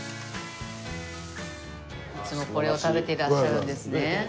いつもこれを食べてらっしゃるんですね。